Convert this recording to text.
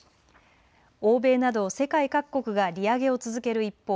欧米など世界各国が利上げを続ける一方